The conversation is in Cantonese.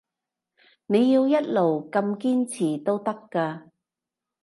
你要一路咁堅持都得嘅